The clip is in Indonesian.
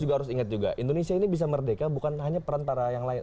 kita harus ingat juga indonesia ini bisa merdeka bukan hanya peran para yang lain